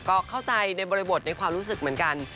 ก็เข้าใจในบริบทในความรู้สึกเหมือนกัน